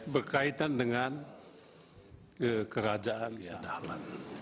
berkaitan dengan kerajaan ya